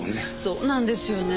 そうなんですよね。